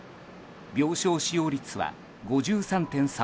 病床使用率は５３．３％。